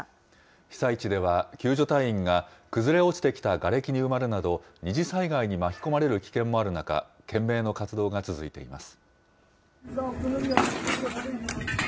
被災地では救助隊員が、崩れ落ちてきたがれきに埋まるなど、二次災害に巻き込まれる危険もある中、懸命の活動が続いています。